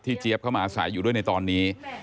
เจี๊ยบเข้ามาอาศัยอยู่ด้วยในตอนนี้